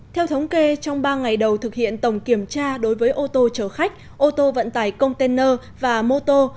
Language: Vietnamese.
theo thống kê trong ba ngày đầu thực hiện tổng kiểm tra đối với ô tô chở khách ô tô vận tải container và mô tô